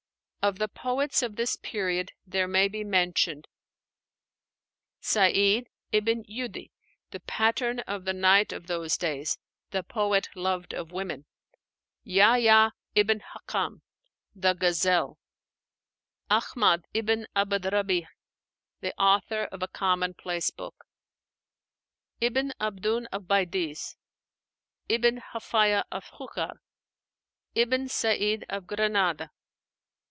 Of the poets of this period there may be mentioned: Sa'íd ibn Júdi the pattern of the Knight of those days, the poet loved of women; Yáhyah ibn Hakam, "the gazelle"; Ahmad ibn 'Abd Rabbíh, the author of a commonplace book; Ibn Abdún of Badjiz, Ibn Hafájah of Xucar, Ibn Sa'íd of Granada.